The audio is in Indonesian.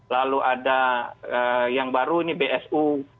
lalu ada yang baru ini bsu